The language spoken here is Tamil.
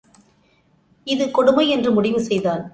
இது கொடுமை என்று முடிவு செய்தான்.